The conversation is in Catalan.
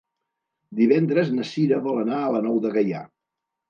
Divendres na Sira vol anar a la Nou de Gaià.